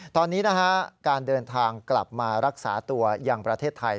ตอนนี้นะฮะการเดินทางกลับมารักษาตัวอย่างประเทศไทย